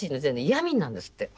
嫌みになるんですって。